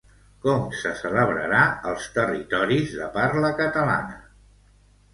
Com se celebrarà als territoris de parla catalana?